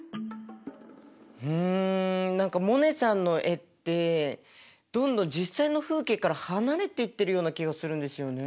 うん何かモネさんの絵ってどんどん実際の風景から離れていってるような気がするんですよね。